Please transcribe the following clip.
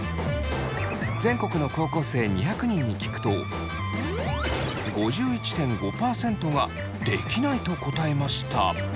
全国の高校生２００人に聞くと５１．５％が「できない」と答えました。